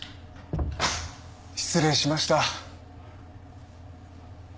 失礼しました。